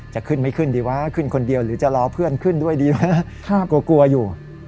จะขึ้นไม่ขึ้นดีวะขึ้นคนเดียวหรือจะรอเพื่อนขึ้นด้วยดีวะนะกลัวกลัวอยู่